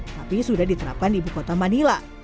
tapi sudah diterapkan di ibu kota manila